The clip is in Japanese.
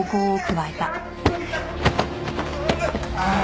ああ！